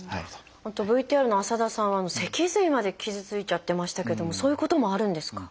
あとＶＴＲの浅田さんは脊髄まで傷ついちゃってましたけどもそういうこともあるんですか？